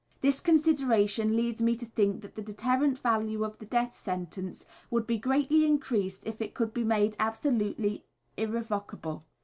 This consideration leads me to think that the deterrent value of the death sentence would be greatly increased if it could be made absolutely irrevocable.